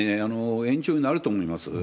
延長になると思います。